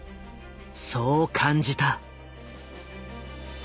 そう感じた。